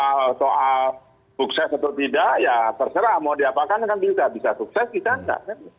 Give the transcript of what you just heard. kalau soal sukses atau tidak ya terserah mau diapakan kan bisa bisa sukses bisa enggak